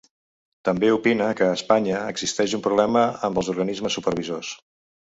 També opina que a Espanya existeix un “problema” amb els organismes supervisors.